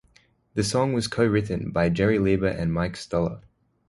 The song was co-written by Jerry Leiber and Mike Stoller.